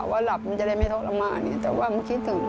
ว่าหลับมันจะได้ไม่ทรมานแต่ว่ามันคิดถึง